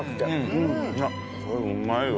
これうまいわ。